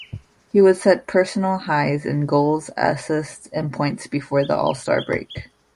He would set personal highs in goals, assists and points before the All-Star Break.